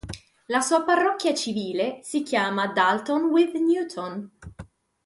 La sua parrocchia civile si chiama Dalton with Newton.